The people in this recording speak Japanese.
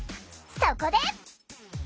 そこで！